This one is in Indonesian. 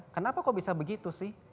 kenapa kok bisa begitu sih